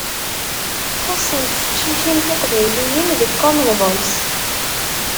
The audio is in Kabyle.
Xuṣṣent teqcicin tiqbayliyin deg Common Voice.